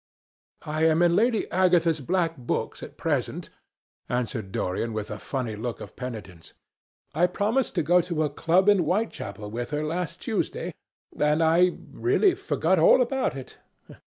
"I am in Lady Agatha's black books at present," answered Dorian with a funny look of penitence. "I promised to go to a club in Whitechapel with her last Tuesday, and I really forgot all about it.